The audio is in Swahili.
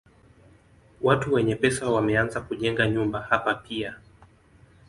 Watu wenye pesa wameanza kujenga nyumba hapa pia.